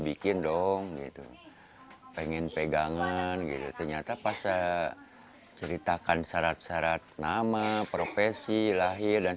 bikin dong gitu pengen pegangan gitu ternyata pas ceritakan syarat syarat nama profesi lahir dan